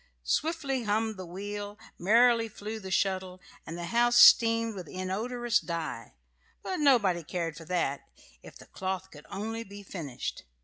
Swiftly hummed the wheel, merrily flew the shuttle, and the house steamed with inodorous dye; but nobody cared for that, if the cloth could only be finished.